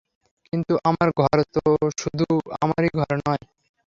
কিন্তু, আমার ঘর শুধু তো আমারই ঘর নয়।